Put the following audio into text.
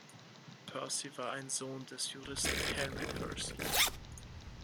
Percy war ein Sohn des Juristen Henry Percy.